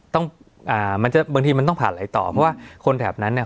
อ่ามันจะบางทีมันต้องผ่านไหลต่อเพราะว่าคนแถบนั้นเนี่ย